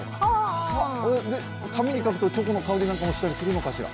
紙に描くとチョコの香りもしたりするのかしら。